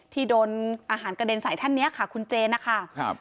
ที่โดนอาหารกระเด็นใส่ท่านนี้ค่ะคุณเจนนะคะครับ